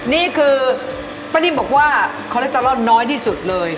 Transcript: นี่คือป้านิ่มบอกว่าคอเล็กเตอรอนน้อยที่สุดเลย